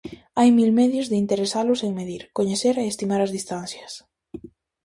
Hai mil medios de interesalos en medir, coñecer e estimar as distancias.